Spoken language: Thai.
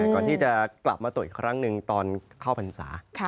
ก่อนที่จะกลับมาตรวจอีกครั้งหนึ่งตอนเข้าพรรษา